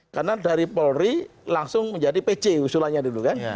karena dari polri langsung menjadi pc usulannya dulu kan